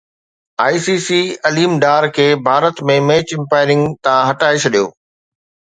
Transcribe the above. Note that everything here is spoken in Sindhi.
I C C Aleem Dar کي ڀارت ۾ ميچ امپائرنگ تان هٽائي ڇڏيو